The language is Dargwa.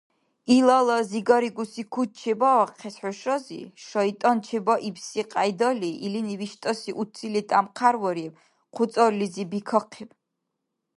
Илала зигарикӀуси куц чебаахъес хӀушази, шайтӀан чебиибси кьяйдали, илини виштӀаси уцили тямхъярвариб, хъуцӀарлизи бикахъиб.